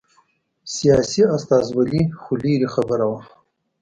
سیاسي استازولي خو لرې خبره وه.